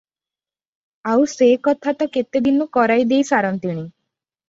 ଆଉ ସେ କଥା ତ କେତେଦିନୁ କରାଇ ଦେଇ ସାରନ୍ତିଣି ।